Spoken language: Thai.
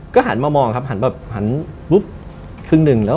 ก็หันมามองครับหันครึ่งนึง